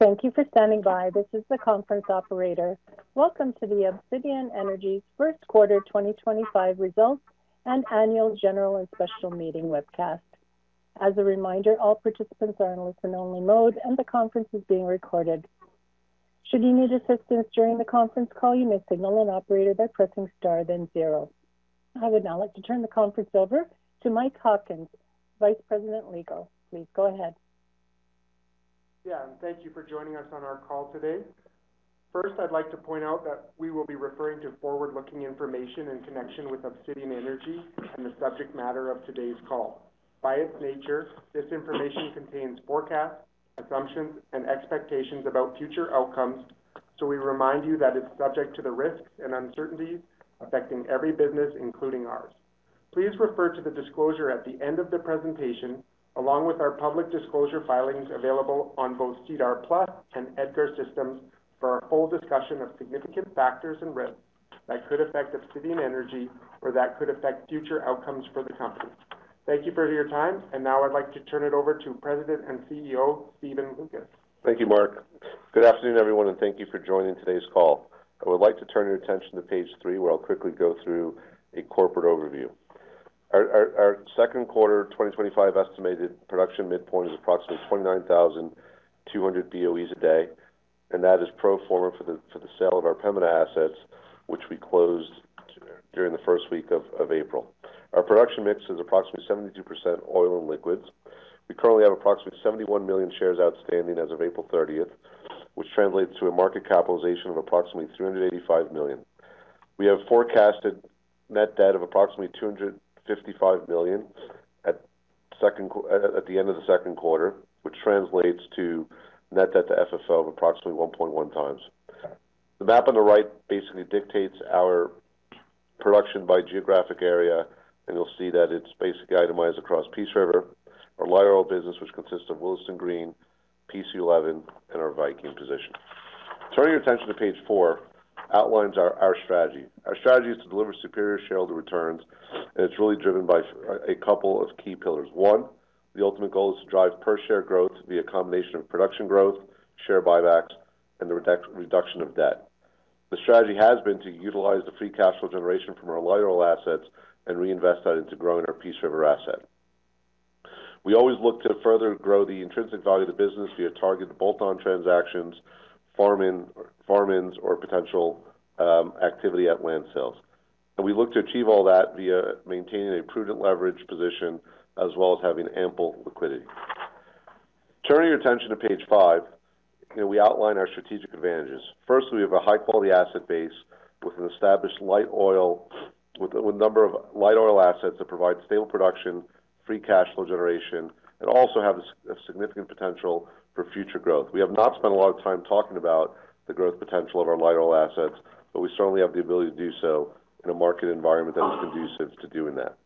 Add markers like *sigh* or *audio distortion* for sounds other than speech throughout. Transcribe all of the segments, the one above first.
Thank you for standing by. This is the conference operator. Welcome to the Obsidian Energy's First Quarter 2025 Results and Annual General and Special Meeting Webcast. As a reminder, all participants are in listen-only mode, and the conference is being recorded. Should you need assistance during the conference call, you may signal an operator by pressing star then zero. I would now like to turn the conference over to Mark Hawkins, Vice President Legal. Please go ahead. Yeah, and thank you for joining us on our call today. First, I'd like to point out that we will be referring to forward-looking information in connection with Obsidian Energy and the subject matter of today's call. By its nature, this information contains forecasts, assumptions, and expectations about future outcomes, so we remind you that it's subject to the risks and uncertainties affecting every business, including ours. Please refer to the disclosure at the end of the presentation, along with our public disclosure filings available on both [SEDAR+] and EDGAR Systems, for a full discussion of significant factors and risks that could affect Obsidian Energy or that could affect future outcomes for the company. Thank you for your time, and now I'd like to turn it over to President and CEO Stephen Loukas. Thank you, Mark. Good afternoon, everyone, and thank you for joining today's call. I would like to turn your attention to page three, where I'll quickly go through a corporate overview. Our second quarter 2025 estimated production midpoint is approximately 29,200 BOEs a day, and that is pro forma for the sale of our Pembina assets, which we closed during the first week of April. Our production mix is approximately 72% oil and liquids. We currently have approximately 71 million shares outstanding as of April 30, which translates to a market capitalization of 385 million. We have forecasted net debt of approximately 255 million at the end of the second quarter, which translates to net debt to FFO of approximately 1.1 times. The map on the right basically dictates our production by geographic area, and you'll see that it's basically itemized across Peace River, our light oil business, which consists of Willesden Green, PC11, and our Viking position. Turning your attention to page four outlines our strategy. Our strategy is to deliver superior shareholder returns, and it's really driven by a couple of key pillars. One, the ultimate goal is to drive per-share growth via a combination of production growth, share buybacks, and the reduction of debt. The strategy has been to utilize the free cash flow generation from our light oil assets and reinvest that into growing our Peace River asset. We always look to further grow the intrinsic value of the business via targeted bolt-on transactions, farmings, or potential activity at land sales. We look to achieve all that via maintaining a prudent leverage position as well as having ample liquidity. Turning your attention to page five, we outline our strategic advantages. First, we have a high-quality asset base with an established light oil with a number of light oil assets that provide stable production, free cash flow generation, and also have a significant potential for future growth. We have not spent a lot of time talking about the growth potential of our light oil assets, but we certainly have the ability to do so in a market environment that is conducive to doing that.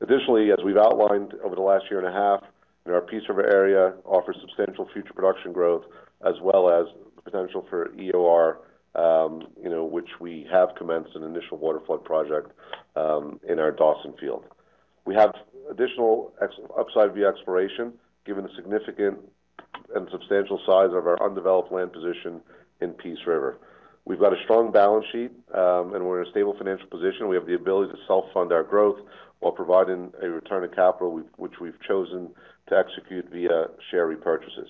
Additionally, as we have outlined over the last year and a half, our Peace River area offers substantial future production growth as well as the potential for EOR, which we have commenced an initial waterflood project in our Dawson field. We have additional upside via exploration, given the significant and substantial size of our undeveloped land position in Peace River. We've got a strong balance sheet, and we're in a stable financial position. We have the ability to self-fund our growth while providing a return of capital, which we've chosen to execute via share repurchases.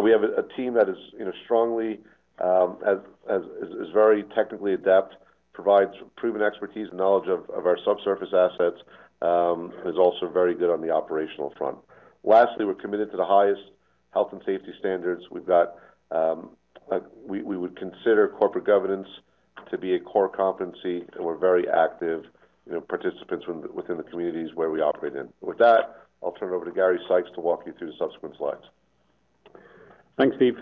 We have a team that is strongly, is very technically adept, provides proven expertise and knowledge of our subsurface assets, and is also very good on the operational front. Lastly, we're committed to the highest health and safety standards. We would consider corporate governance to be a core competency, and we're very active participants within the communities where we operate in. With that, I'll turn it over to Gary Sykes to walk you through the subsequent slides. Thanks, Steve.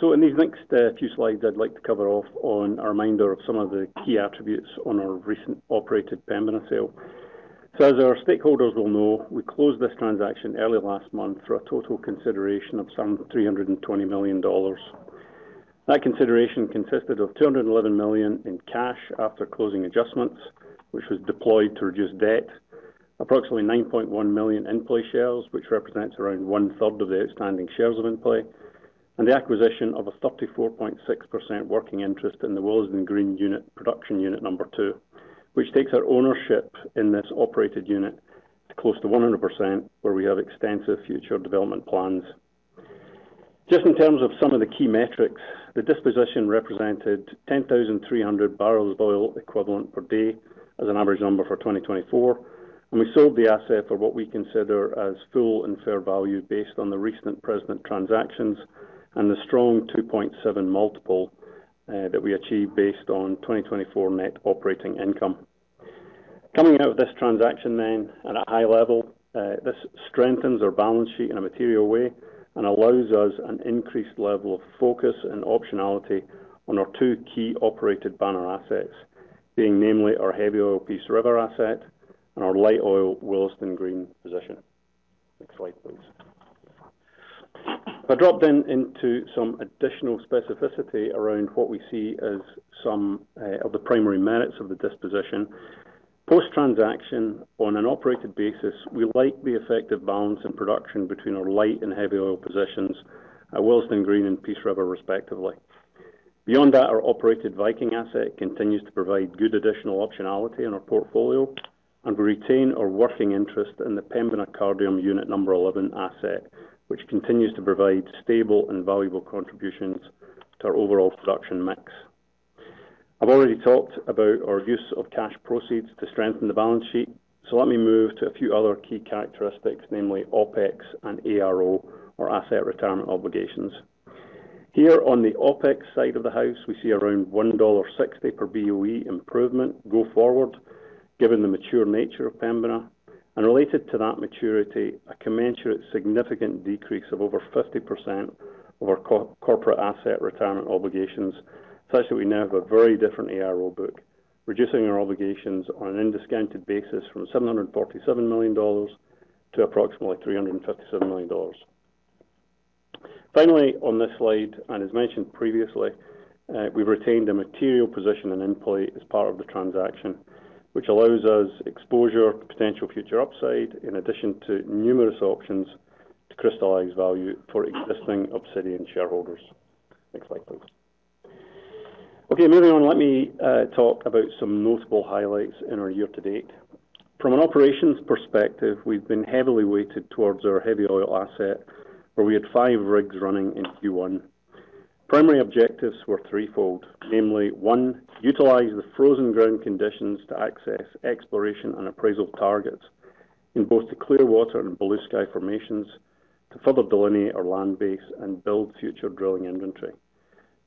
In these next few slides, I'd like to cover off on a reminder of some of the key attributes on our recent operated Pembina sale. As our stakeholders will know, we closed this transaction early last month for a total consideration of 320 million dollars. That consideration consisted of 211 million in cash after closing adjustments, which was deployed to reduce debt, approximately 9.1 million in InPlay shares, which represents around 1/3 of the outstanding shares of InPlay, and the acquisition of a 34.6% working interest in the Willesden Green unit, production unit number two, which takes our ownership in this operated unit close to 100%, where we have extensive future development plans. Just in terms of some of the key metrics, the disposition represented 10,300 barrels of oil equivalent per day as an average number for 2024, and we sold the asset for what we consider as full and fair value based on the recent present transactions and the strong 2.7x multiple that we achieved based on 2024 net operating income. Coming out of this transaction then, at a high level, this strengthens our balance sheet in a material way and allows us an increased level of focus and optionality on our two key operated banner assets, being namely our heavy oil Peace River asset and our light oil Willesden Green position. Next slide, please. I dropped into some additional specificity around what we see as some of the primary merits of the disposition. Post-transaction, on an operated basis, we like the effective balance in production between our light and heavy oil positions at Willesden Green and Peace River, respectively. Beyond that, our operated Viking asset continues to provide good additional optionality in our portfolio, and we retain our working interest in the Pembina Cardium Unit #11 asset, which continues to provide stable and valuable contributions to our overall production mix. I've already talked about our use of cash proceeds to strengthen the balance sheet, so let me move to a few other key characteristics, namely OpEx and ARO, or asset retirement obligations. Here on the OpEx side of the house, we see around 1.60 dollar per boe improvement go forward, given the mature nature of Pembina. Related to that maturity, a commensurate significant decrease of over 50% of our corporate asset retirement obligations, such that we now have a very different ARO book, reducing our obligations on an undiscounted basis from 747 million dollars to approximately 357 million dollars. Finally, on this slide, and as mentioned previously, we have retained a material position in InPlay as part of the transaction, which allows us exposure to potential future upside, in addition to numerous options to crystallize value for existing Obsidian shareholders. Next slide, please. Okay, moving on, let me talk about some notable highlights in our year to date. From an operations perspective, we have been heavily weighted towards our heavy oil asset, where we had five rigs running in Q1. Primary objectives were threefold, namely, one, utilize the frozen ground conditions to access exploration and appraisal targets in both the Clearwater and Bluesky formations to further delineate our land base and build future drilling inventory.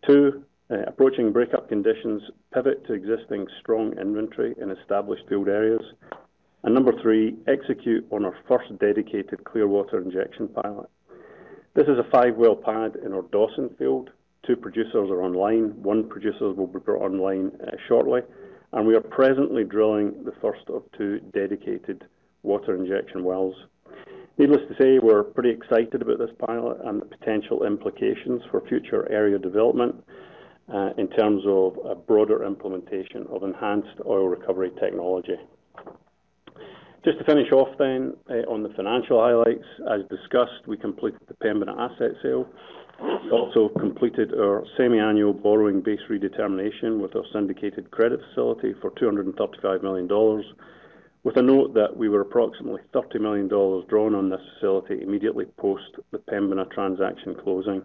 Two, approaching breakup conditions, pivot to existing strong inventory in established field areas. Number three, execute on our first dedicated Clearwater injection pilot. This is a five-well pad in our Dawson field. Two producers are online. One producer will be brought online shortly. We are presently drilling the first of two dedicated water injection wells. Needless to say, we are pretty excited about this pilot and the potential implications for future area development in terms of a broader implementation of enhanced oil recovery technology. Just to finish off then on the financial highlights, as discussed, we completed the Pembina asset sale. We also completed our semi-annual borrowing base redetermination with our syndicated credit facility for 235 million dollars, with a note that we were approximately 30 million dollars drawn on this facility immediately post the Pembina transaction closing.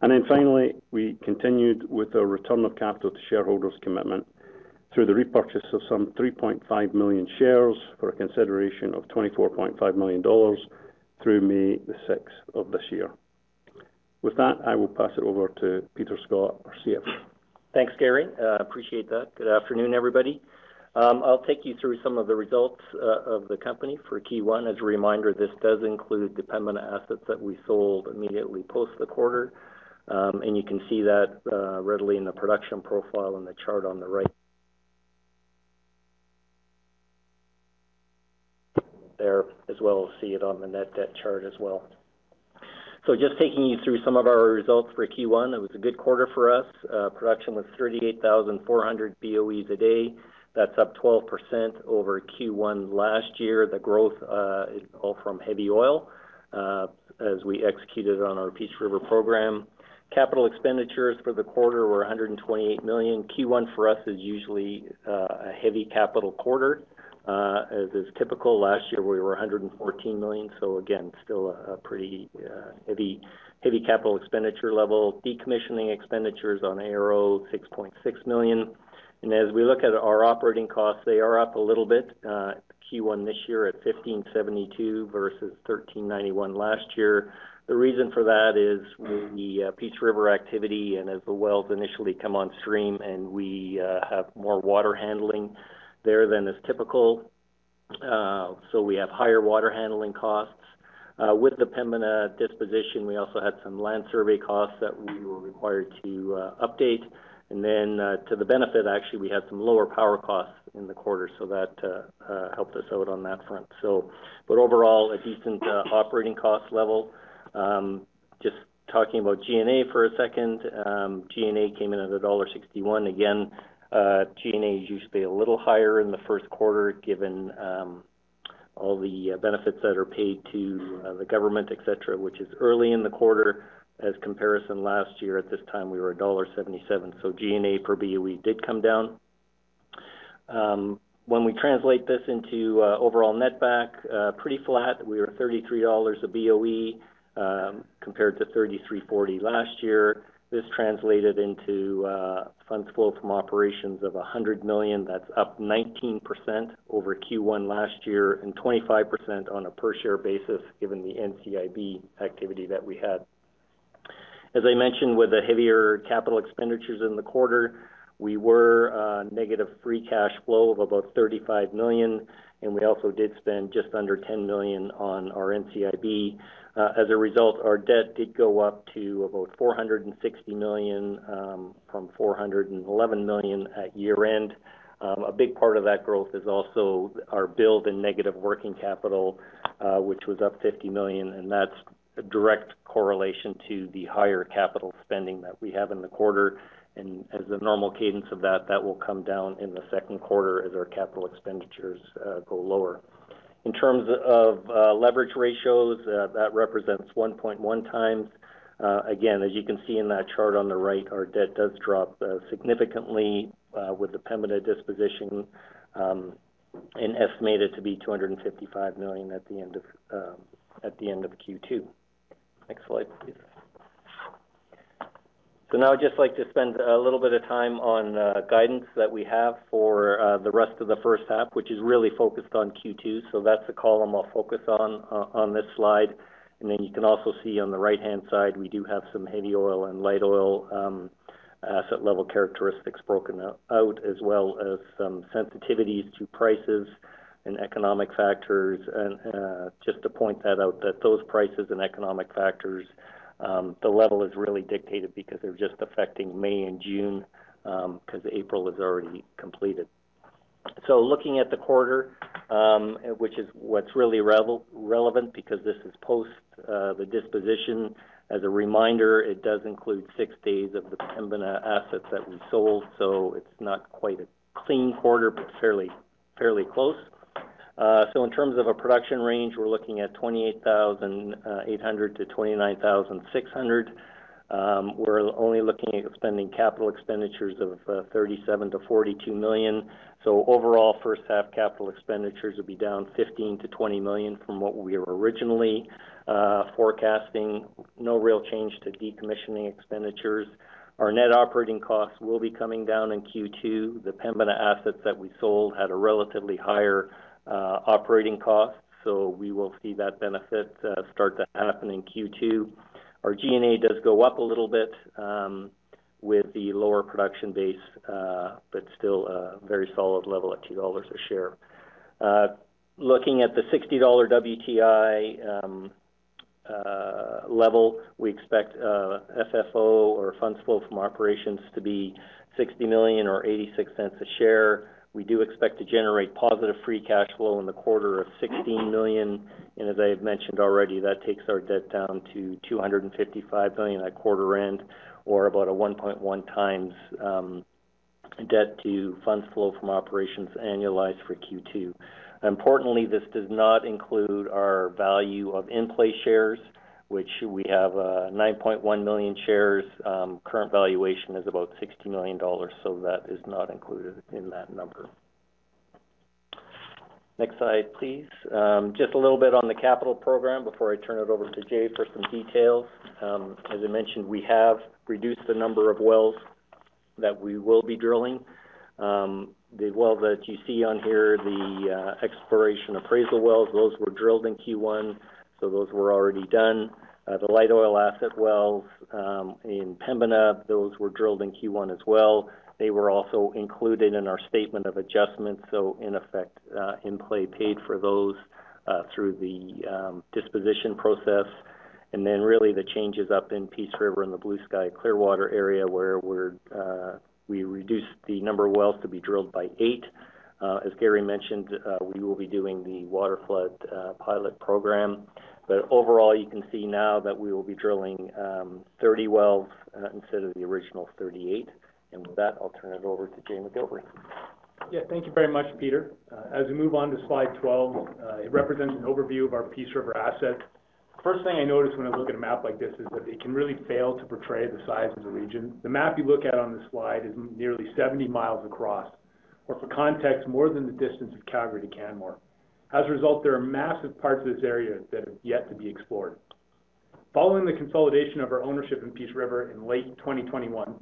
Finally, we continued with our return of capital to shareholders commitment through the repurchase of some 3.5 million shares for a consideration of 24.5 million dollars through May the 6th of this year. With that, I will pass it over to Peter Scott for CFO. Thanks, Gary. Appreciate that. Good afternoon, everybody. I'll take you through some of the results of the company for Q1. As a reminder, this does include the Pembina assets that we sold immediately post the quarter. You can see that readily in the production profile in the chart on the right there, as well as see it on the net debt chart as well. Just taking you through some of our results for Q1, it was a good quarter for us. Production was 38,400 boe a day. That's up 12% over Q1 last year. The growth is all from heavy oil as we executed on our Peace River program. Capital expenditures for the quarter were 128 million. Q1 for us is usually a heavy capital quarter. As is typical, last year we were 114 million. Again, still a pretty heavy capital expenditure level. Decommissioning expenditures on ARO, 6.6 million. As we look at our operating costs, they are up a little bit Q1 this year at 1,572 versus 1,391 last year. The reason for that is the Peace River activity and as the wells initially come on stream and we have more water handling there than is typical, we have higher water handling costs. With the Pembina disposition, we also had some land survey costs that we were required to update. To the benefit, actually, we had some lower power costs in the quarter, so that helped us out on that front. Overall, a decent operating cost level. Just talking about G&A for a second, G&A came in at dollar 1.61. Again, G&A is usually a little higher in the first quarter given all the benefits that are paid to the government, etc., which is early in the quarter. As comparison last year, at this time, we were dollar 1.77. So G&A per boe did come down. When we translate this into overall net back, pretty flat. We were 33 dollars a boe compared to 33.40 last year. This translated into funds flow from operations of 100 million. That's up 19% over Q1 last year and 25% on a per-share basis given the NCIB activity that we had. As I mentioned, with the heavier capital expenditures in the quarter, we were negative free cash flow of about 35 million, and we also did spend just under 10 million on our NCIB. As a result, our debt did go up to about 460 million from 411 million at year-end. A big part of that growth is also our build and negative working capital, which was up 50 million, and that's a direct correlation to the higher capital spending that we have in the quarter. As a normal cadence of that, that will come down in the second quarter as our capital expenditures go lower. In terms of leverage ratios, that represents 1.1x. Again, as you can see in that chart on the right, our debt does drop significantly with the Pembina disposition and estimated to be 255 million at the end of Q2. Next slide, please. Now I'd just like to spend a little bit of time on guidance that we have for the rest of the first half, which is really focused on Q2. That's the column I'll focus on on this slide. You can also see on the right-hand side, we do have some heavy oil and light oil asset level characteristics broken out, as well as some sensitivities to prices and economic factors. Just to point that out, those prices and economic factors, the level is really dictated because they are just affecting May and June because April is already completed. Looking at the quarter, which is what is really relevant because this is post the disposition, as a reminder, it does include six days of the Pembina assets that we sold, so it is not quite a clean quarter, but fairly close. In terms of our production range, we are looking at 28,800-29,600. We are only looking at spending capital expenditures of 37 million-42 million. Overall, first half capital expenditures will be down 15 million-20 million from what we were originally forecasting. No real change to decommissioning expenditures. Our net operating costs will be coming down in Q2. The Pembina assets that we sold had a relatively higher operating cost, so we will see that benefit start to happen in Q2. Our G&A does go up a little bit with the lower production base, but still a very solid level at 2 dollars a share. Looking at the 60 dollar WTI level, we expect FFO or funds flow from operations to be 60 million or 0.86 a share. We do expect to generate positive free cash flow in the quarter of 16 million. As I have mentioned already, that takes our debt down to 255 million at quarter end, or about a 1.1x debt to funds flow from operations annualized for Q2. Importantly, this does not include our value of InPlay shares, which we have 9.1 million shares. Current valuation is about 60 million dollars, so that is not included in that number. Next slide, please. Just a little bit on the capital program before I turn it over to Jay for some details. As I mentioned, we have reduced the number of wells that we will be drilling. The well that you see on here, the exploration appraisal wells, those were drilled in Q1, so those were already done. The light oil asset wells in Pembina, those were drilled in Q1 as well. They were also included in our statement of adjustment, so in effect, InPlay paid for those through the disposition process. Really the changes up in Peace River and the Bluesky Clearwater area where we reduced the number of wells to be drilled by eight. As Gary mentioned, we will be doing the waterflood pilot program. Overall, you can see now that we will be drilling 30 wells instead of the original 38. With that, I'll turn it over to Jay McGilvary. Yeah, thank you very much, Peter. As we move on to slide 12, it represents an overview of our Peace River asset. The first thing I notice when I look at a map like this is that it can really fail to portray the size of the region. The map you look at on this slide is nearly 70 mi across, or for context, more than the distance of Calgary to Canmore. As a result, there are massive parts of this area that have yet to be explored. Following the consolidation of our ownership in Peace River in late 2021,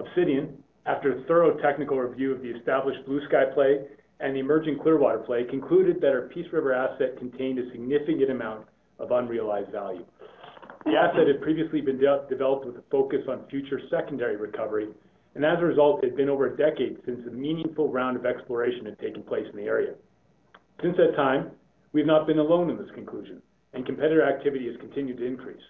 Obsidian, after a thorough technical review of the established Bluesky play and the emerging Clearwater play, concluded that our Peace River asset contained a significant amount of unrealized value. The asset had previously been developed with a focus on future secondary recovery, and as a result, it had been over a decade since a meaningful round of exploration had taken place in the area. Since that time, we have not been alone in this conclusion, and competitor activity has continued to increase.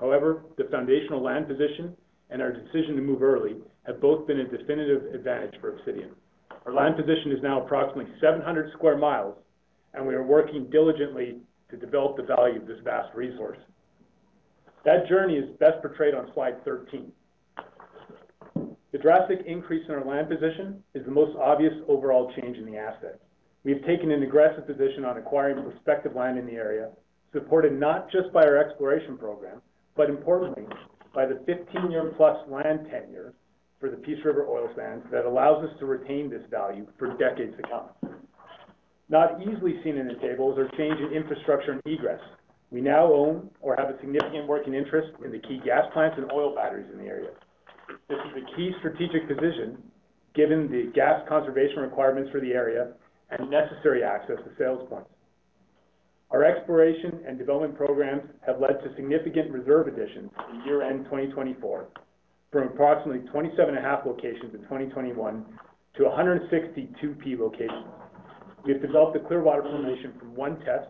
However, the foundational land position and our decision to move early have both been a definitive advantage for Obsidian. Our land position is now approximately 700 sq mi, and we are working diligently to develop the value of this vast resource. That journey is best portrayed on slide 13. The drastic increase in our land position is the most obvious overall change in the asset. We have taken an aggressive position on acquiring prospective land in the area, supported not just by our exploration program, but importantly, by the 15-year plus land tenure for the Peace River oil sands that allows us to retain this value for decades to come. Not easily seen in the tables are change in infrastructure and egress. We now own or have a significant working interest in the key gas plants and oil batteries in the area. This is a key strategic position given the gas conservation requirements for the area and necessary access to sales points. Our exploration and development programs have led to significant reserve additions in year-end 2024, from approximately 27.5 locations in 2021 to 162 P locations. We have developed a Clearwater formation from one test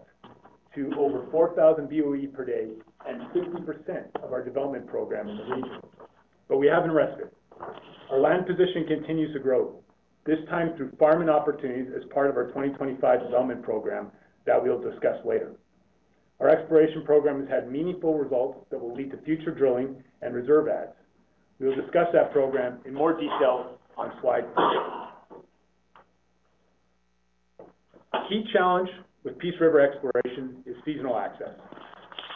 to over 4,000 boe per day and 50% of our development program in the region. We have not rested. Our land position continues to grow, this time through farming opportunities as part of our 2025 development program that we will discuss later. Our exploration program has had meaningful results that will lead to future drilling and reserve adds. We will discuss that program in more detail on slide. *audio distortion* A key challenge with Peace River exploration is seasonal access.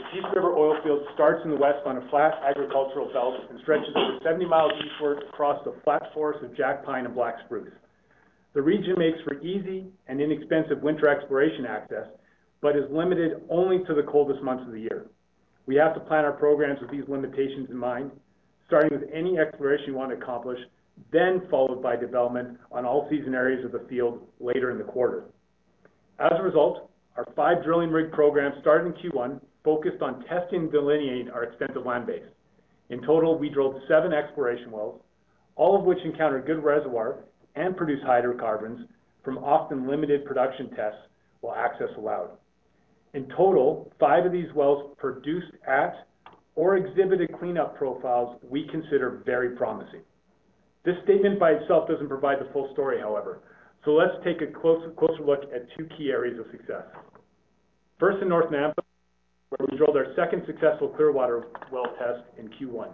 The Peace River oil field starts in the west on a flat agricultural belt and stretches over 70 mi eastward across the flat forest of jack pine and black spruce. The region makes for easy and inexpensive winter exploration access, but is limited only to the coldest months of the year. We have to plan our programs with these limitations in mind, starting with any exploration you want to accomplish, then followed by development on all season areas of the field later in the quarter. As a result, our five drilling rig programs started in Q1 focused on testing and delineating our extensive land base. In total, we drilled seven exploration wells, all of which encountered good reservoir and produce hydrocarbons from often limited production tests while access allowed. In total, five of these wells produced at or exhibited cleanup profiles we consider very promising. This statement by itself does not provide the full story, however. Let us take a closer look at two key areas of success. First, in North Nampa, where we drilled our second successful Clearwater well test in Q1.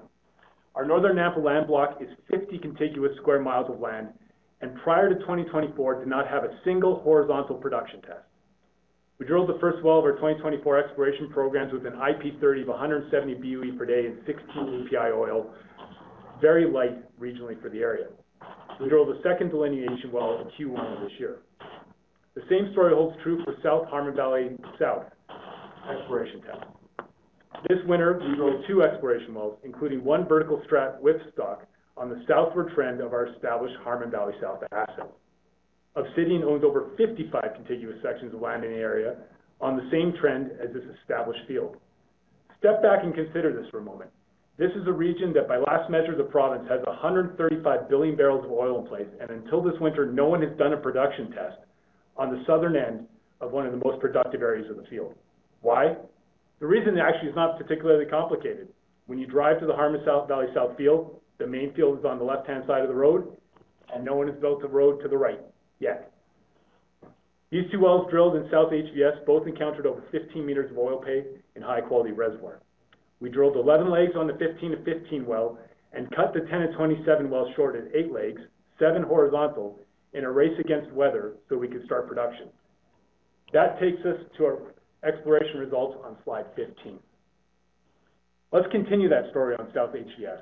Our Northern Nampa land block is 50 contiguous sq mi of land and prior to 2024 did not have a single horizontal production test. We drilled the first well of our 2024 exploration programs with an IP30 of 170 boe per day and 16 API oil, very light regionally for the area. We drilled the second delineation well in Q1 of this year. The same story holds true for South Harmon Valley South exploration test. This winter, we drilled two exploration wells, including one vertical strat with stock on the southward trend of our established Harmon Valley South asset. Obsidian owns over 55 contiguous sections of land in the area on the same trend as this established field. Step back and consider this for a moment. This is a region that by last measure of the province has 135 billion barrels of oil in place, and until this winter, no one has done a production test on the southern end of one of the most productive areas of the field. Why? The reason actually is not particularly complicated. When you drive to the Harmon South Valley South field, the main field is on the left-hand side of the road, and no one has built the road to the right yet. These two wells drilled in South HVS both encountered over 15 meters of oil pay in high-quality reservoir. We drilled 11 legs on the 15-15 well and cut the 10-27 well short at eight legs, seven horizontal in a race against weather so we could start production. That takes us to our exploration results on slide 15. Let's continue that story on South HVS.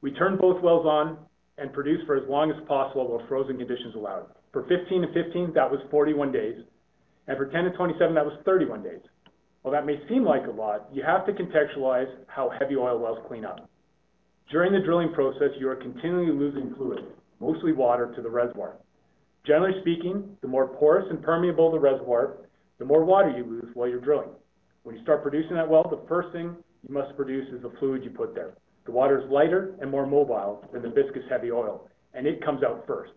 We turned both wells on and produced for as long as possible while frozen conditions allowed. For 15-15, that was 41 days, and for 10-27, that was 31 days. While that may seem like a lot, you have to contextualize how heavy oil wells clean up. During the drilling process, you are continually losing fluid, mostly water to the reservoir. Generally speaking, the more porous and permeable the reservoir, the more water you lose while you're drilling. When you start producing that well, the first thing you must produce is the fluid you put there. The water is lighter and more mobile than the viscous heavy oil, and it comes out first.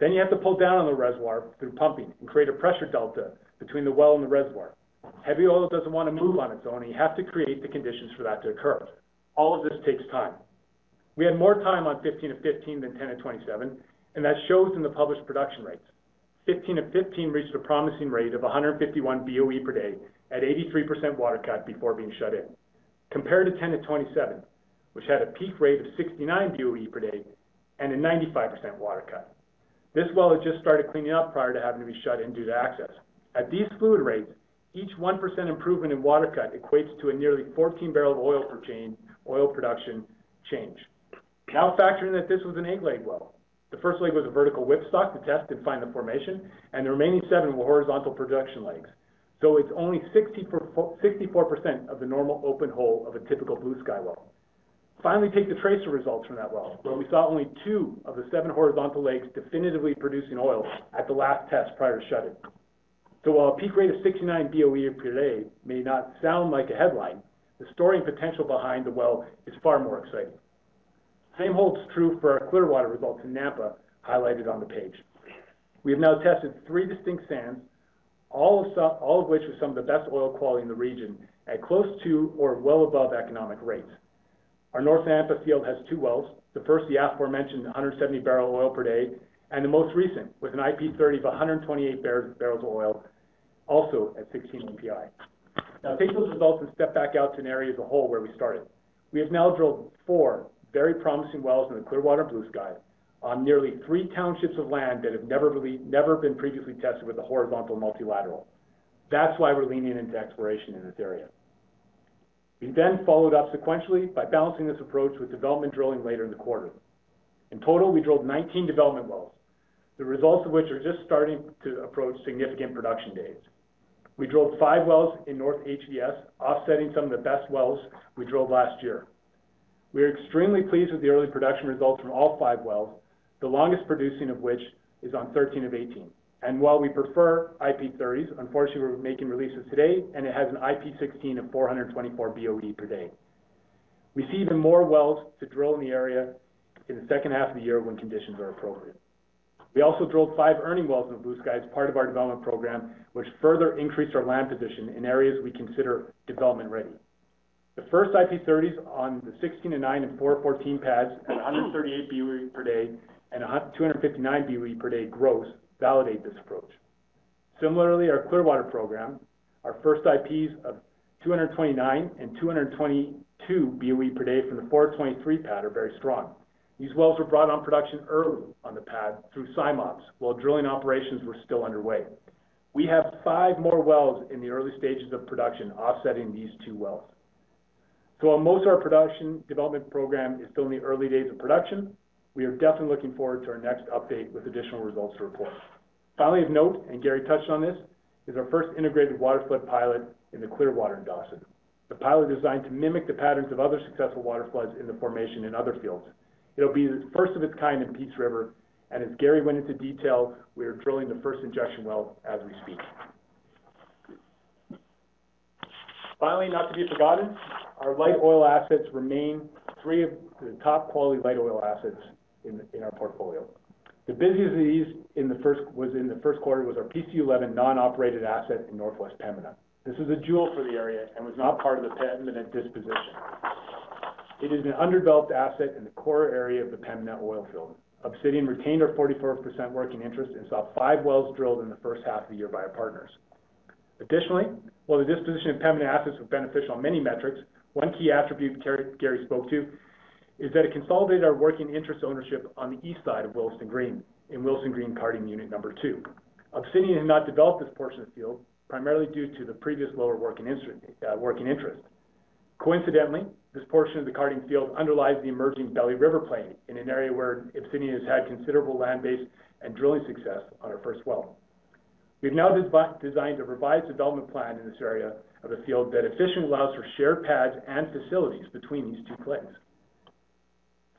You have to pull down on the reservoir through pumping and create a pressure delta between the well and the reservoir. Heavy oil doesn't want to move on its own, and you have to create the conditions for that to occur. All of this takes time. We had more time on 15-15 than 10-27, and that shows in the published production rates. 15-15 reached a promising rate of 151 boe per day at 83% water cut before being shut in, compared to 10-27, which had a peak rate of 69 boe per day and a 95% water cut. This well had just started cleaning up prior to having to be shut in due to access. At these fluid rates, each 1% improvement in water cut equates to a nearly 14 barrel of oil per chain oil production change. Now factor in that this was an egg-leg well. The first leg was a vertical whipstock to test and find the formation, and the remaining seven were horizontal production legs. So it is only 64% of the normal open hole of a typical Bluesky well. Finally, take the tracer results from that well, where we saw only two of the seven horizontal legs definitively producing oil at the last test prior to shutting. While a peak rate of 69 boe per day may not sound like a headline, the story and potential behind the well is far more exciting. The same holds true for our Clearwater results in Nampa highlighted on the page. We have now tested three distinct sands, all of which are some of the best oil quality in the region at close to or well above economic rates. Our North Nampa field has two wells, the first, the aforementioned 170 barrel oil per day, and the most recent with an IP30 of 128 barrels of oil, also at 16 EPI. Now take those results and step back out to an area as a whole where we started. We have now drilled four very promising wells in the Clearwater Bluesky on nearly three townships of land that have never been previously tested with a horizontal multilateral. That is why we are leaning into exploration in this area. We then followed up sequentially by balancing this approach with development drilling later in the quarter. In total, we drilled 19 development wells, the results of which are just starting to approach significant production days. We drilled five wells in North HVS, offsetting some of the best wells we drilled last year. We are extremely pleased with the early production results from all five wells, the longest producing of which is on 13 of 18. While we prefer IP30s, unfortunately, we are making releases today, and it has an IP16 of 424 boe per day. We see even more wells to drill in the area in the second half of the year when conditions are appropriate. We also drilled five earning wells in the Blue Sky as part of our development program, which further increased our land position in areas we consider development ready. The first IP30s on the 16 and 9 and 414 pads at 138 boe per day and 259 boe per day gross validate this approach. Similarly, our Clearwater program, our first IPs of 229 and 222 boe per day from the 423 pad are very strong. These wells were brought on production early on the pad through SIMOPS while drilling operations were still underway. We have five more wells in the early stages of production offsetting these two wells. While most of our production development program is still in the early days of production, we are definitely looking forward to our next update with additional results to report. Finally, of note, and Gary touched on this, is our first integrated waterflood pilot in the Clearwater in Dawson. The pilot is designed to mimic the patterns of other successful waterfloods in the formation in other fields. It will be the first of its kind in Peace River, and as Gary went into detail, we are drilling the first injection well as we speak. Finally, not to be forgotten, our light oil assets remain three of the top quality light oil assets in our portfolio. The busiest of these in the first quarter was our PC11 non-operated asset in Northwest Pembina. This is a jewel for the area and was not part of the Pembina disposition. It is an underdeveloped asset in the core area of the Pembina oil field. Obsidian retained our 44% working interest and saw five wells drilled in the first half of the year by our partners. Additionally, while the disposition of Pembina assets was beneficial on many metrics, one key attribute Gary spoke to is that it consolidated our working interest ownership on the east side of Willesden Green in Willesden Green Cardium Unit #2. Obsidian has not developed this portion of the field primarily due to the previous lower working interest. Coincidentally, this portion of the Cardium field underlies the emerging Belly River play in an area where Obsidian has had considerable land base and drilling success on our first well. We have now designed a revised development plan in this area of the field that efficiently allows for shared pads and facilities between these two plays.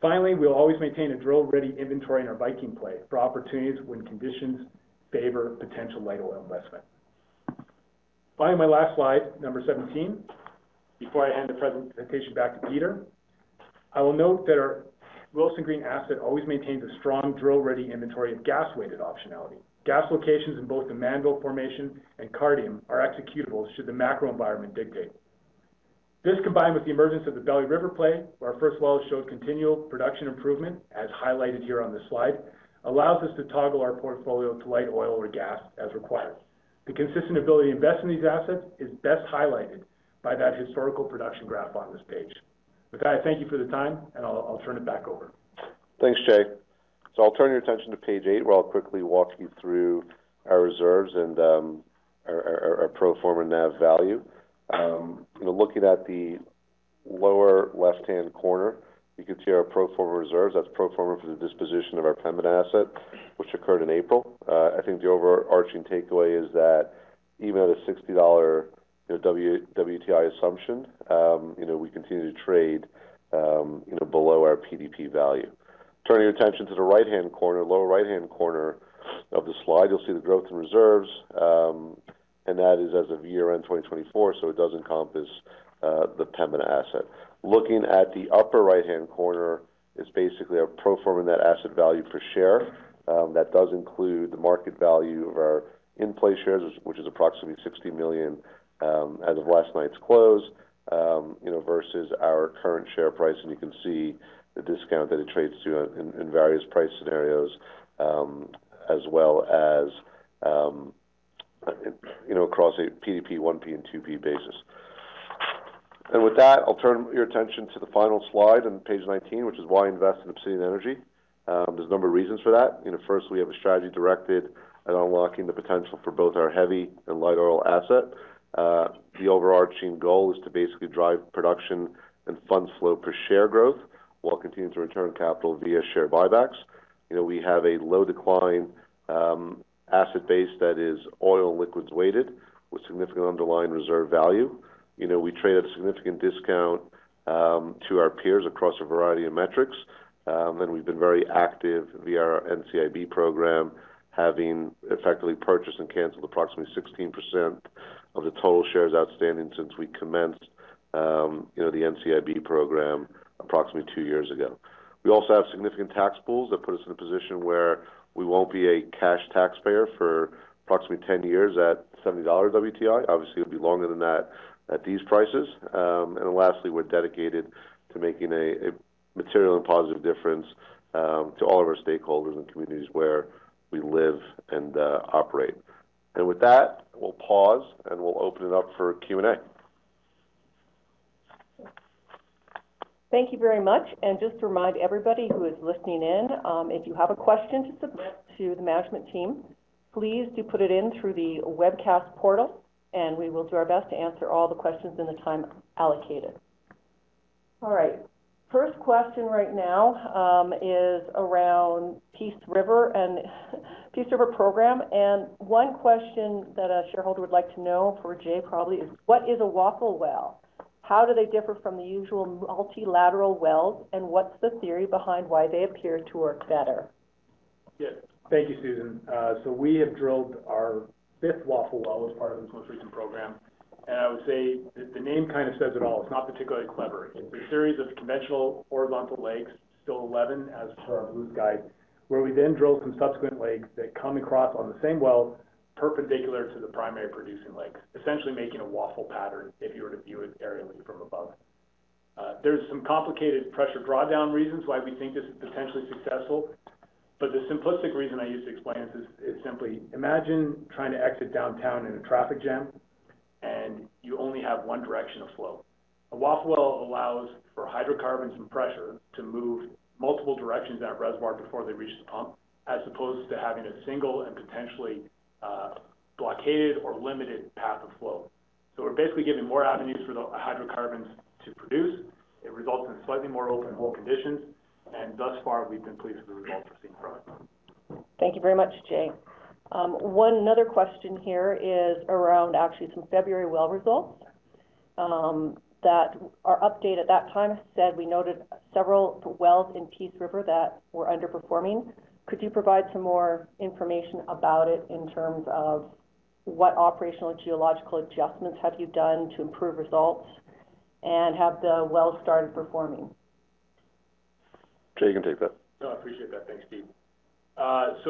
Finally, we'll always maintain a drill-ready inventory in our Viking play for opportunities when conditions favor potential light oil investment. Finally, my last slide, number 17, before I hand the presentation back to Peter, I will note that our Willesden Green asset always maintains a strong drill-ready inventory of gas-weighted optionality. Gas locations in both the Mannville formation and Cardium are executable should the macro environment dictate. This, combined with the emergence of the Belly River play, where our first well showed continual production improvement, as highlighted here on the slide, allows us to toggle our portfolio to light oil or gas as required. The consistent ability to invest in these assets is best highlighted by that historical production graph on this page. With that, I thank you for the time, and I'll turn it back over. Thanks, Jay. I'll turn your attention to page eight where I'll quickly walk you through our reserves and our pro forma NAV value. Looking at the lower left-hand corner, you can see our pro forma reserves. That's pro forma for the disposition of our Pembina asset, which occurred in April. I think the overarching takeaway is that even at a 60 dollar WTI assumption, we continue to trade below our PDP value. Turning your attention to the right-hand corner, lower right-hand corner of the slide, you'll see the growth in reserves, and that is as of year-end 2024, so it does encompass the Pembina asset. Looking at the upper right-hand corner, it's basically our pro forma net asset value per share. That does include the market value of our InPlay shares, which is approximately 60 million as of last night's close versus our current share price. You can see the discount that it trades to in various price scenarios as well as across a PDP, 1P, and 2P basis. With that, I'll turn your attention to the final slide on page 19, which is why I invest in Obsidian Energy. There are a number of reasons for that. First, we have a strategy directed at unlocking the potential for both our heavy and light oil asset. The overarching goal is to basically drive production and funds flow per share growth while continuing to return capital via share buybacks. We have a low-decline asset base that is oil and liquids weighted with significant underlying reserve value. We trade at a significant discount to our peers across a variety of metrics. We have been very active via our NCIB program, having effectively purchased and canceled approximately 16% of the total shares outstanding since we commenced the NCIB program approximately two years ago. We also have significant tax pools that put us in a position where we will not be a cash taxpayer for approximately 10 years at 70 dollars WTI. Obviously, it will be longer than that at these prices. Lastly, we are dedicated to making a material and positive difference to all of our stakeholders and communities where we live and operate. With that, we will pause and open it up for Q&A. Thank you very much. Just to remind everybody who is listening in, if you have a question to submit to the management team, please put it in through the webcast portal, and we will do our best to answer all the questions in the time allocated. All right. First question right now is around Peace River and Peace River program. And one question that a shareholder would like to know for Jay probably is, what is a Waffle well? How do they differ from the usual multilateral wells, and what's the theory behind why they appear to work better? Yeah. Thank you, Susan. So we have drilled our fifth Waffle well as part of this most recent program. I would say that the name kind of says it all. It's not particularly clever. It's a series of conventional horizontal legs, still 11 as for our Bluesky, where we then drill some subsequent legs that come across on the same well perpendicular to the primary producing legs, essentially making a Waffle pattern if you were to view it aerially from above. There are some complicated pressure drawdown reasons why we think this is potentially successful. The simplistic reason I used to explain this is simply imagine trying to exit downtown in a traffic jam, and you only have one direction of flow. A Waffle well allows for hydrocarbons and pressure to move multiple directions in our reservoir before they reach the pump, as opposed to having a single and potentially blockaded or limited path of flow. We are basically giving more avenues for the hydrocarbons to produce. It results in slightly more open hole conditions, and thus far, we have been pleased. *audio distortion* Thank you very much, Jay. One other question here is around actually some February well results that are updated at that time. Said we noted several wells in Peace River that were underperforming. Could you provide some more information about it in terms of what operational geological adjustments have you done to improve results and have the wells started performing? Jay, you can take that. No, I appreciate that. Thanks, Steve.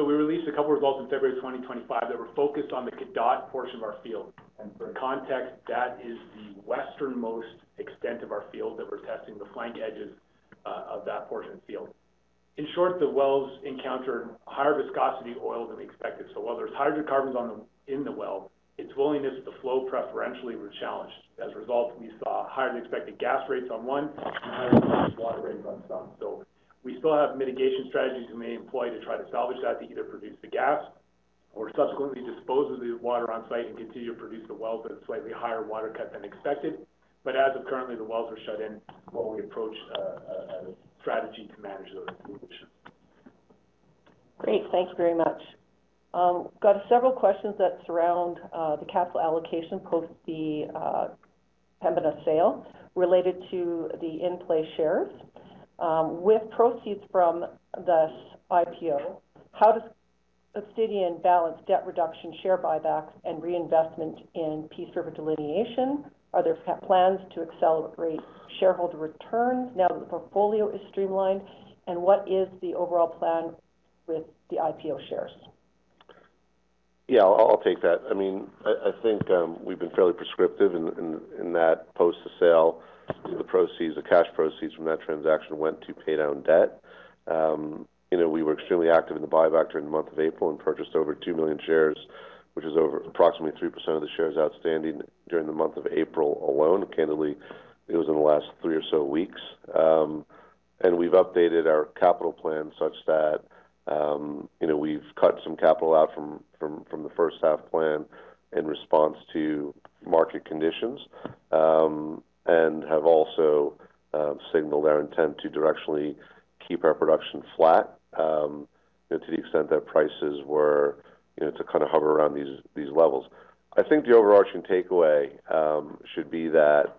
We released a couple of results in February 2025 that were focused on the [Cadotte] portion of our field. For context, that is the westernmost extent of our field that we are testing, the flank edges of that portion of the field. In short, the wells encountered higher viscosity oil than we expected. While there are hydrocarbons in the well, its willingness to flow preferentially was challenged. As a result, we saw higher than expected gas rates on one and. *audio distortion* We still have mitigation strategies we may employ to try to salvage that to either produce the gas or subsequently dispose of the water on site and continue to produce the wells at a slightly higher water cut than expected. As of currently, the wells are shut in while we approach a strategy to manage those issues. Great. Thank you very much. Got several questions that surround the capital allocation post the Pembina sale related to the InPlay shares. With proceeds from this IPO, how does Obsidian balance debt reduction, share buybacks, and reinvestment in Peace River delineation? Are there plans to accelerate shareholder returns now that the portfolio is streamlined? What is the overall plan with the IPO shares? Yeah, I'll take that. I mean, I think we've been fairly prescriptive in that post-sale, the cash proceeds from that transaction went to pay down debt. We were extremely active in the buyback during the month of April and purchased over 2 million shares, which is approximately 3% of the shares outstanding during the month of April alone. Candidly, it was in the last three or so weeks. We have updated our capital plan such that we have cut some capital out from the first half plan in response to market conditions and have also signaled our intent to directionally keep our production flat to the extent that prices were to kind of hover around these levels. I think the overarching takeaway should be that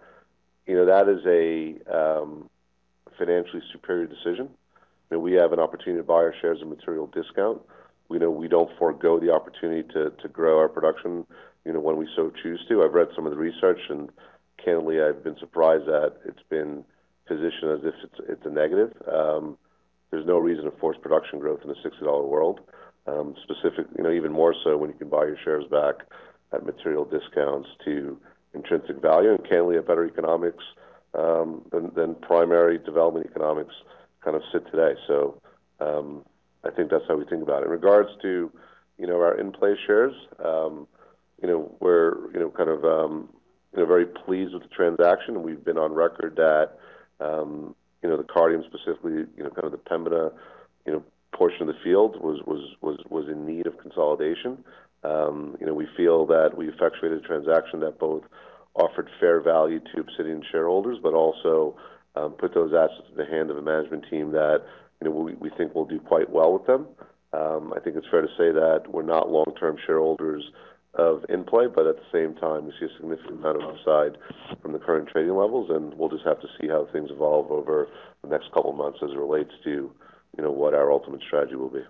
that is a financially superior decision. We have an opportunity to buy our shares at a material discount. We do not forego the opportunity to grow our production when we so choose to. I have read some of the research, and candidly, I have been surprised that it has been positioned as if it is a negative. There's no reason to force production growth in a 60 dollar world, even more so when you can buy your shares back at material discounts to intrinsic value. Candidly, if better economics than primary development economics kind of sit today. I think that's how we think about it. In regards to our InPlay shares, we're kind of very pleased with the transaction. We've been on record that the Cardium, specifically kind of the Pembina portion of the field, was in need of consolidation. We feel that we effectuated a transaction that both offered fair value to Obsidian shareholders, but also put those assets at the hand of a management team that we think will do quite well with them. I think it's fair to say that we're not long-term shareholders of InPlay, but at the same time, we see a significant amount of upside from the current trading levels. We just have to see how things evolve over the next couple of months as it relates to what our ultimate strategy will be.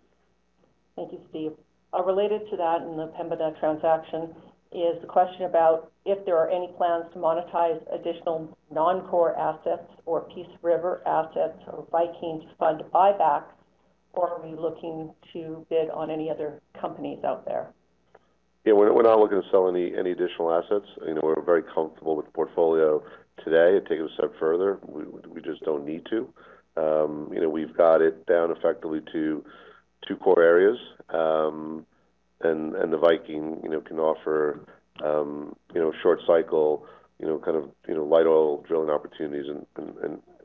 Thank you, Steve. Related to that and the Pembina transaction is the question about if there are any plans to monetize additional non-core assets or Peace River assets or Viking to fund buybacks, or are we looking to bid on any other companies out there? Yeah, we're not looking to sell any additional assets. We're very comfortable with the portfolio today and, to take it a step further, we just do not need to. We have it down effectively to two core areas. The Viking can offer short-cycle kind of light oil drilling opportunities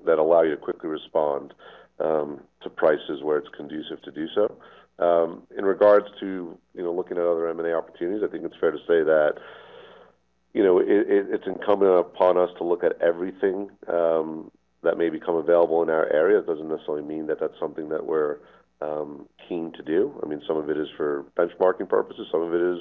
that allow you to quickly respond to prices where it is conducive to do so. In regards to looking at other M&A opportunities, I think it's fair to say that it's incumbent upon us to look at everything that may become available in our area. It doesn't necessarily mean that that's something that we're keen to do. I mean, some of it is for benchmarking purposes. Some of it is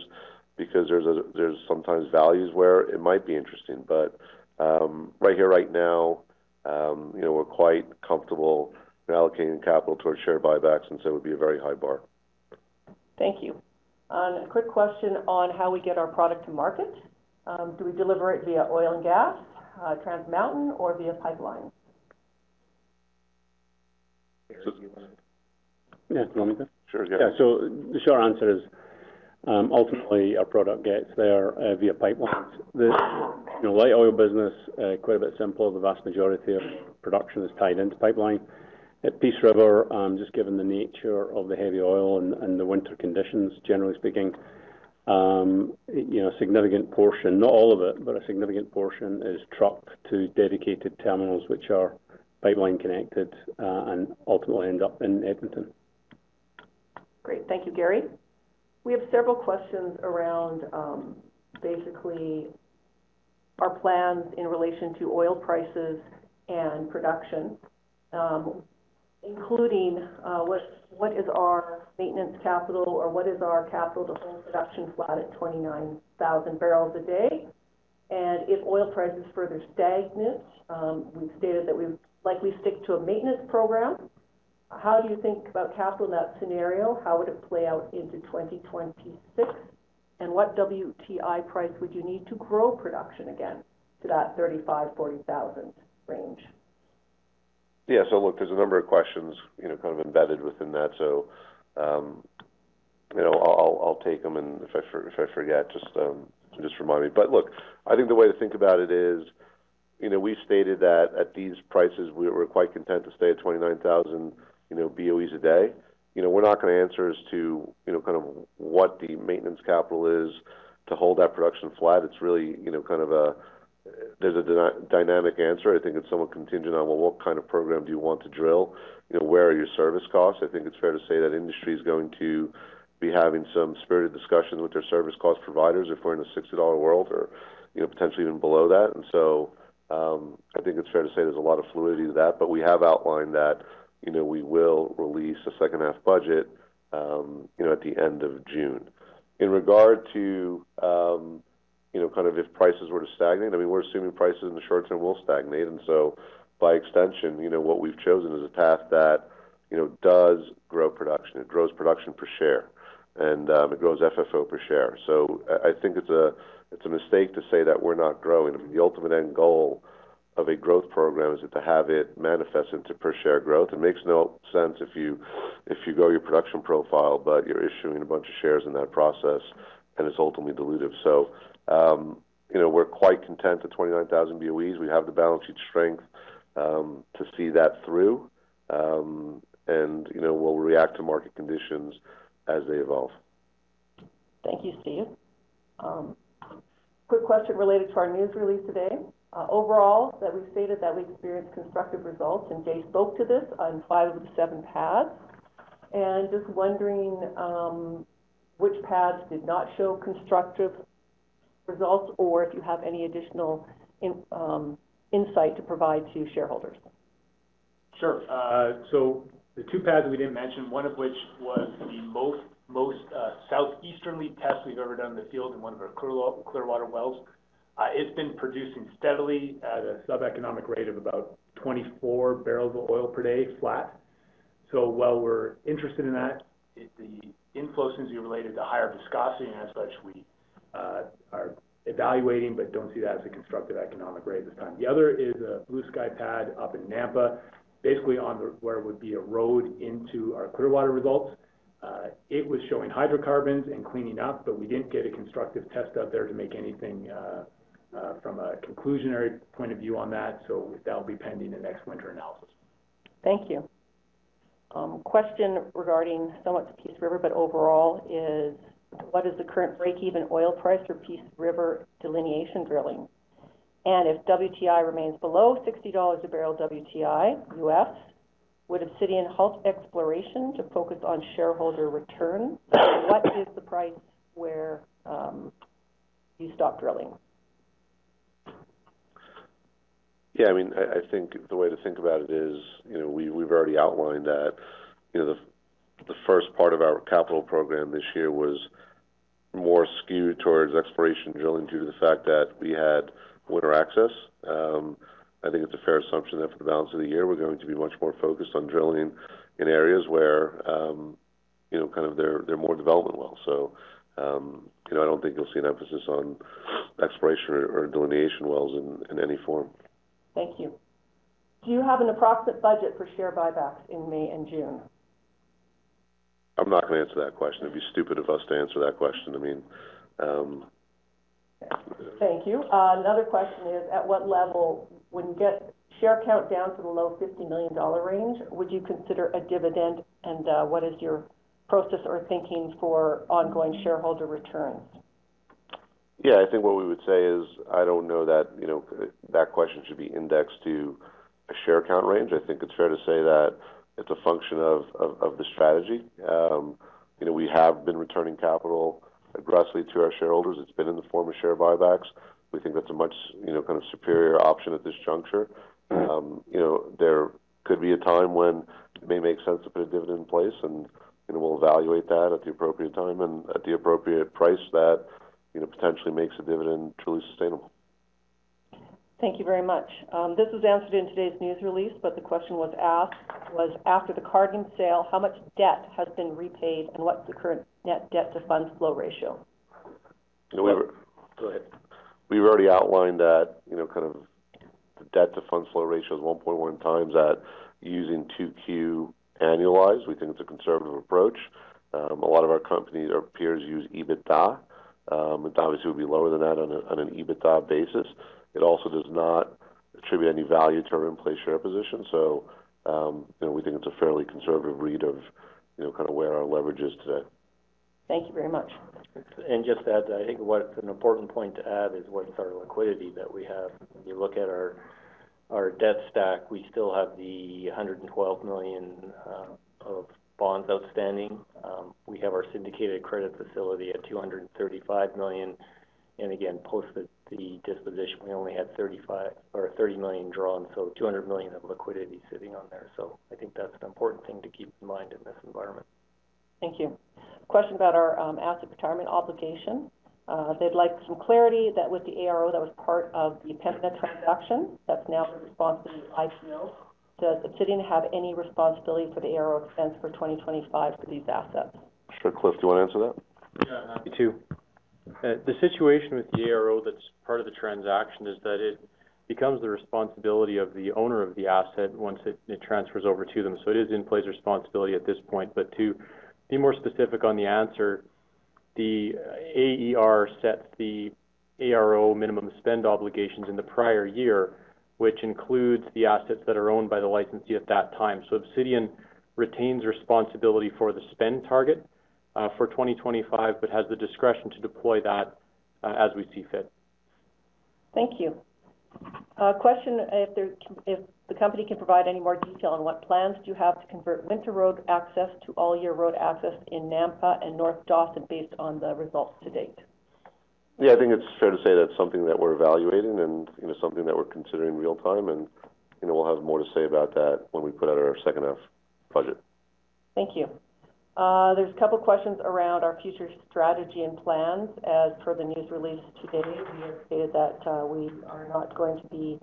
because there's sometimes values where it might be interesting. But right here, right now, we're quite comfortable allocating capital towards share buybacks, and so it would be a very high bar. Thank you. A quick question on how we get our product to market. Do we deliver it via oil and gas, Trans Mountain, or via pipeline? Yeah, can you repeat that? Sure, yeah. Yeah. The short answer is ultimately, our product gets there via pipelines. The light oil business, quite a bit simple. The vast majority of production is tied into pipeline. At Peace River, just given the nature of the heavy oil and the winter conditions, generally speaking, a significant portion, not all of it, but a significant portion is trucked to dedicated terminals which are pipeline connected and ultimately end up in Edmonton. Great. Thank you, Gary. We have several questions around basically our plans in relation to oil prices and production, including what is our maintenance capital or what is our capital to hold production flat at 29,000 barrels a day? If oil prices further stagnate, we've stated that we would likely stick to a maintenance program. How do you think about capital in that scenario? How would it play out into 2026? What WTI price would you need to grow production again to that 35,000-40,000 range? Yeah. Look, there's a number of questions kind of embedded within that. I'll take them. If I forget, just remind me. Look, I think the way to think about it is we stated that at these prices, we were quite content to stay at 29,000 boe a day. We are not going to answer as to kind of what the maintenance capital is to hold that production flat. It is really kind of a—there is a dynamic answer. I think it is somewhat contingent on, well, what kind of program do you want to drill? Where are your service costs? I think it is fair to say that industry is going to be having some spirited discussions with their service cost providers if we are in a CAD 60 world or potentially even below that. I think it is fair to say there is a lot of fluidity to that. We have outlined that we will release a second-half budget at the end of June. In regard to kind of if prices were to stagnate, I mean, we're assuming prices in the short term will stagnate. By extension, what we've chosen is a path that does grow production. It grows production per share, and it grows FFO per share. I think it's a mistake to say that we're not growing. The ultimate end goal of a growth program is to have it manifest into per share growth. It makes no sense if you grow your production profile, but you're issuing a bunch of shares in that process, and it's ultimately dilutive. We're quite content at 29,000 boe. We have the balance sheet strength to see that through, and we'll react to market conditions as they evolve. Thank you, Steve. Quick question related to our news release today. Overall, we stated that we experienced constructive results, and Jay spoke to this on five of the seven pads. Just wondering which pads did not show constructive results or if you have any additional insight to provide to shareholders. Sure. The two pads that we did not mention, one of which was the most southeasterly test we have ever done in the field in one of our Clearwater wells. It has been producing steadily at a sub-economic rate of about 24 barrels of oil per day flat. While we are interested in that, the inflow seems to be related to higher viscosity and as such, we are evaluating but do not see that as a constructive economic rate at this time. The other is a Bluesky pad up in Nampa, basically on where it would be a road into our Clearwater results. It was showing hydrocarbons and cleaning up, but we did not get a constructive test out there to make anything from a conclusionary point of view on that. That will be pending the next winter analysis. Thank you. Question regarding somewhat to Peace River, but overall is what is the current break-even oil price for Peace River delineation drilling? If WTI remains below $60 a barrel WTI, U.S., would Obsidian halt exploration to focus on shareholder return? What is the price where you stop drilling? Yeah, I mean, I think the way to think about it is we have already outlined that the first part of our capital program this year was more skewed towards exploration drilling due to the fact that we had winter access. I think it is a fair assumption that for the balance of the year, we are going to be much more focused on drilling in areas where kind of they are more development wells. I do not think you will see an emphasis on exploration or delineation wells in any form. Thank you. Do you have an approximate budget for share buybacks in May and June? I am not going to answer that question. It would be stupid of us to answer that question. I mean. Thank you. Another question is, at what level, when you get share count down to the low 50 million dollar range, would you consider a dividend? And what is your process or thinking for ongoing shareholder returns? Yeah, I think what we would say is I do not know that that question should be indexed to a share count range. I think it's fair to say that it's a function of the strategy. We have been returning capital aggressively to our shareholders. It's been in the form of share buybacks. We think that's a much kind of superior option at this juncture. There could be a time when it may make sense to put a dividend in place, and we'll evaluate that at the appropriate time and at the appropriate price that potentially makes a dividend truly sustainable. Thank you very much. This was answered in today's news release, but the question was asked was, after the Cardium sale, how much debt has been repaid, and what's the current net debt-to-fund flow ratio? Go ahead. We've already outlined that kind of the debt-to-fund flow ratio is 1.1x that using 2Q annualized. We think it's a conservative approach. A lot of our companies or peers use EBITDA. EBITDA would be lower than that on an EBITDA basis. It also does not attribute any value to our InPlay share position. We think it is a fairly conservative read of kind of where our leverage is today. Thank you very much. Just to add, I think an important point to add is with our liquidity that we have. When you look at our debt stack, we still have the 112 million of bonds outstanding. We have our syndicated credit facility at 235 million. Again, post the disposition, we only had 30 million drawn, so 200 million of liquidity sitting on there. I think that is an important thing to keep in mind in this environment. Thank you. Question about our asset retirement obligation. They would like some clarity that with the ARO that was part of the Pembina transaction, that is now responsible to. *audio distortion* Does Obsidian have any responsibility for the ARO expense for 2025 for these assets? Sure. Cliff, do you want to answer that? Yeah, I'm happy to. The situation with the ARO that's part of the transaction is that it becomes the responsibility of the owner of the asset once it transfers over to them. It is InPlay's responsibility at this point. To be more specific on the answer, the AER sets the ARO minimum spend obligations in the prior year, which includes the assets that are owned by the licensee at that time. Obsidian retains responsibility for the spend target for 2025 but has the discretion to deploy that as we see fit. Thank you. Question, if the company can provide any more detail on what plans do you have to convert winter road access to all-year road access in Nampa and North Dawson based on the results to date? Yeah, I think it is fair to say that is something that we are evaluating and something that we are considering real time. We will have more to say about that when we put out our second-half budget. Thank you. There are a couple of questions around our future strategy and plans. As per the news release today, we have stated that we are not going to be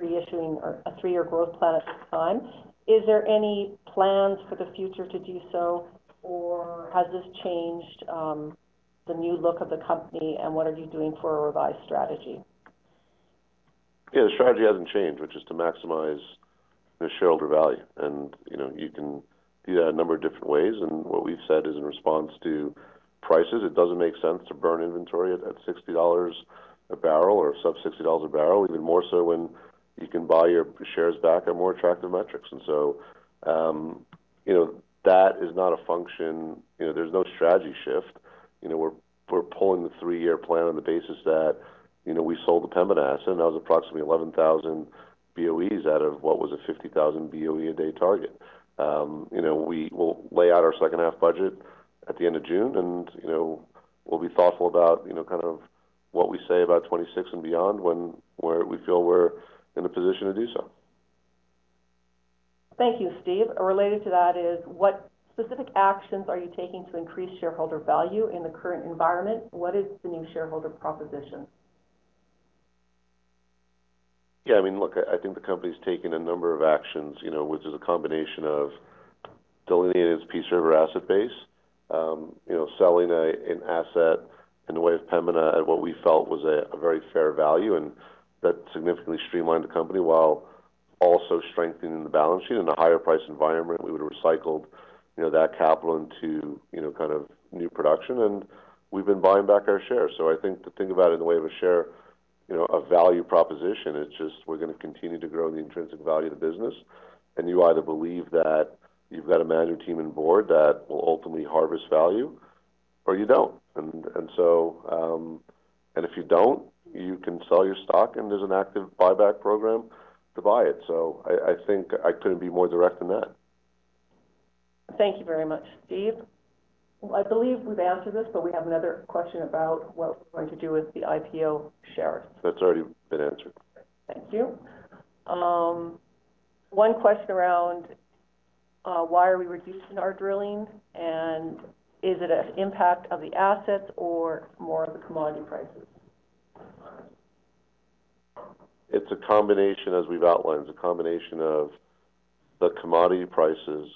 reissuing a three-year growth plan at this time. Is there any plans for the future to do so, or has this changed the new look of the company, and what are you doing for a revised strategy? Yeah, the strategy has not changed, which is to maximize the shareholder value. You can do that a number of different ways. What we've said is in response to prices, it does not make sense to burn inventory at 60 dollars a barrel or sub-CAD 60 a barrel, even more so when you can buy your shares back at more attractive metrics. That is not a function; there is no strategy shift. We are pulling the three-year plan on the basis that we sold the Pembina asset, and that was approximately 11,000 boe out of what was a 50,000 boe a day target. We will lay out our second-half budget at the end of June, and we will be thoughtful about kind of what we say about 2026 and beyond when we feel we are in a position to do so. Thank you, Steve. Related to that is, what specific actions are you taking to increase shareholder value in the current environment? What is the new shareholder proposition? Yeah, I mean, look, I think the company's taken a number of actions, which is a combination of delineating its Peace River asset base, selling an asset in the way of Pembina at what we felt was a very fair value, and that significantly streamlined the company while also strengthening the balance sheet. In a higher price environment, we would have recycled that capital into kind of new production, and we've been buying back our share. I think to think about it in the way of a share, a value proposition, it's just we're going to continue to grow the intrinsic value of the business. You either believe that you've got a management team and board that will ultimately harvest value, or you don't. If you don't, you can sell your stock, and there's an active buyback program to buy it. I think I could not be more direct than that. Thank you very much, Steve. I believe we have answered this, but we have another question about what we are going to do with the IPO shares. That has already been answered. Thank you. One question around why we are reducing our drilling, and is it an impact of the assets or more of the commodity prices? It is a combination, as we have outlined, it is a combination of the commodity prices,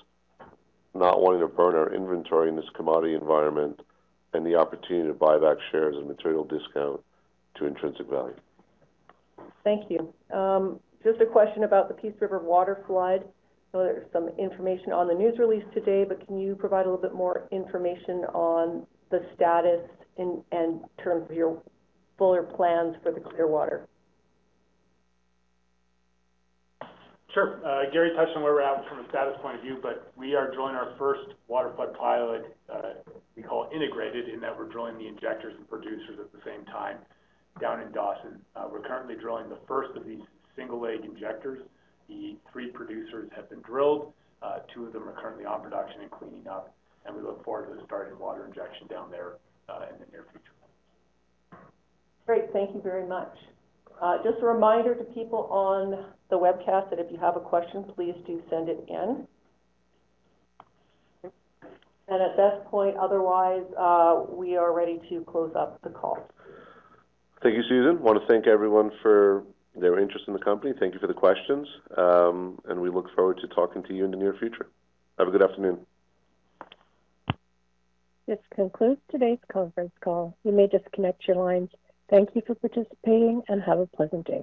not wanting to burn our inventory in this commodity environment, and the opportunity to buy back shares at a material discount to intrinsic value. Thank you. Just a question about the Peace River waterflood. I know there is some information on the news release today, but can you provide a little bit more information on the status and in terms of your fuller plans for the Clearwater? Sure. Gary touched on where we're at from a status point of view, but we are drilling our first waterflood pilot. We call it integrated in that we're drilling the injectors and producers at the same time down in Dawson. We're currently drilling the first of these single-leg injectors. The three producers have been drilled. Two of them are currently on production and cleaning up, and we look forward to starting water injection down there in the near future. Great. Thank you very much. Just a reminder to people on the webcast that if you have a question, please do send it in. At that point, otherwise, we are ready to close up the call. Thank you, Susan. I want to thank everyone for their interest in the company. Thank you for the questions, and we look forward to talking to you in the near future. Have a good afternoon. This concludes today's conference call. You may disconnect your lines. Thank you for participating, and have a pleasant day.